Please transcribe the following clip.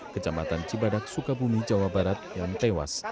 kecamatan cibadak sukabumi jawa barat yang tewas